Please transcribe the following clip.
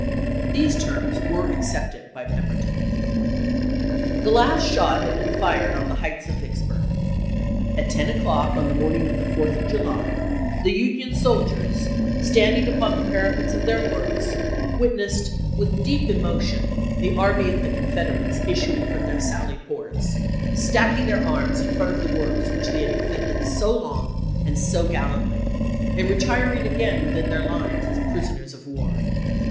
These terms were FpT.\^" accepted by Pemberton. The last shot had been fired on the heights of Vicksburg. At ten o'clock on the morning of the 4th of July the Union soldiers, stauding upon 1863. the parapets of their works, witnessed with deep Vol. VII.— 20 306 ABRAHAM LINCOLN chap. x. emotion the army of the Confederates issuing from their sally ports, stacking their arms in front of the works which they had defended so long and so gallantly, and retiring again within their lines as prisoners of war.